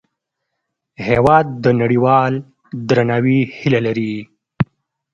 هېواد د نړیوال درناوي هیله لري.